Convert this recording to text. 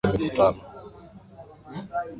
Alikuwa nje ya Ukumbi wa mikutano wa Umoja wa Mataifa